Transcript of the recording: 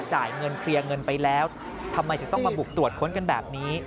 จ่ายเงินเคลียร์เงินไปแล้วทำไมถึงต้องมาบุกตรวจค้นกันแบบนี้